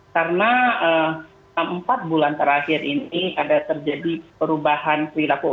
karena empat bulan terakhir ini ada terjadi perubahan pelaku